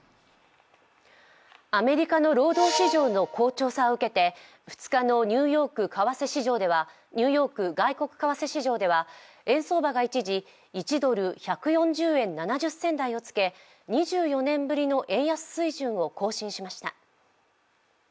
アメリカの労働市場の好調さを受けて２日のニューヨーク外国為替市場では円相場が一時１ドル＝１４０円７０銭台をつけ、２４年ぶりの円安水準を更新しました。